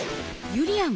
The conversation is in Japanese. ゆりやん